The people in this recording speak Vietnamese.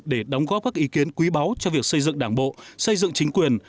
để đóng góp các ý kiến quý báu cho việc xây dựng đảng bộ xây dựng chính quyền